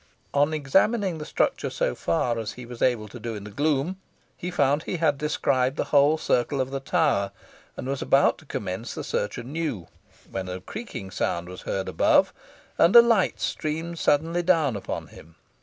On examining the structure so far as he was able to do in the gloom, he found he had described the whole circle of the tower, and was about to commence the search anew, when a creaking sound was heard above, and a light streamed suddenly down upon him.